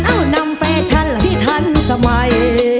เอ้านำแฟชั่นพี่ทันสมัย